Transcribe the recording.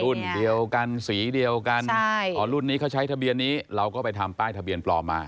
รุ่นเดียวกันสีเดียวกันอ๋อรุ่นนี้เขาใช้ทะเบียนนี้เราก็ไปทำป้ายทะเบียนปลอมมา